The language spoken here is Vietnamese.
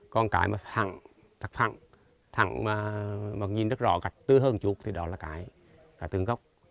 còn cái mà thẳng thẳng thẳng mà nhìn rất rõ gạch tư hơn chút thì đó là cái tương gốc